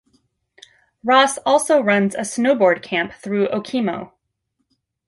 Ross also runs a snowboard camp through Okemo.